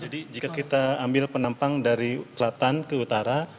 jadi jika kita ambil penampang dari selatan ke utara